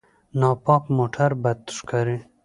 ناپاک موټر بد ښکاري.